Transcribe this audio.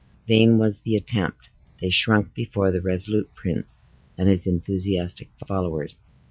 Vain was the attempt. They shrunk before the resolute prince and his enthusiastic followers.